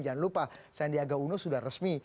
jangan lupa sandiaga uno sudah resmi